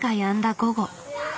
午後。